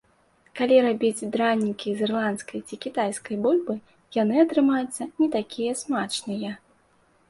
Калі рабіць дранікі з ірландскай ці кітайскай бульбы, яны атрымаюцца не такія смачныя.